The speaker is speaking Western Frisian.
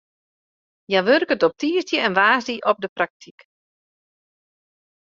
Hja wurket op tiisdei en woansdei op de praktyk.